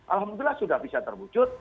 alhamdulillah sudah bisa terwujud